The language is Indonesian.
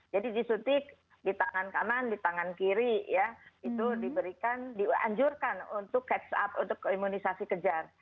jadi disuntik di tangan kanan di tangan kiri ya itu diberikan dianjurkan untuk catch up untuk imunisasi kejar